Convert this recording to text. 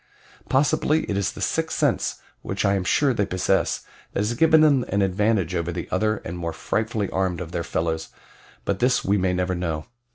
Possibly it is the sixth sense which I am sure they possess that has given them an advantage over the other and more frightfully armed of their fellows; but this we may never know.